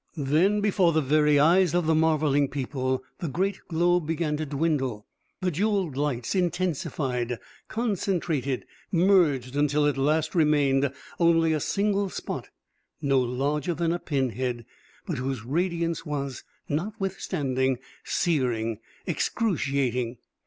Then, before the very eyes of the marveling people, the great globe began to dwindle. The jeweled lights intensified, concentrated, merged, until at last remained only a single spot no larger than a pin head, but whose radiance was, notwithstanding, searing, excruciating.